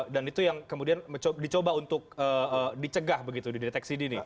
dan itu yang kemudian dicoba untuk dicegah begitu dideteksi di sini